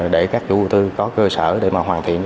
để các chủ đầu tư có cơ sở để mà hoàn thiện